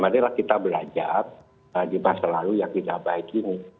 marilah kita belajar di masa lalu yang tidak baik ini